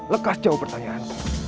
lekas jawab pertanyaanku